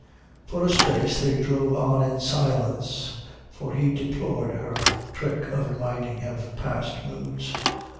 For a space they drove on in silence, for he deplored her trick of reminding him of past moods.